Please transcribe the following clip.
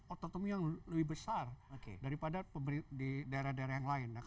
otonomi yang lebih besar daripada di daerah daerah yang lain